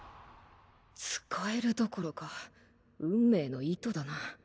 使えるどころか運命の糸だな。